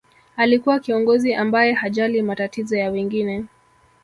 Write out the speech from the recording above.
alikuwa kiongozi ambaye hajali matatizo ya wengine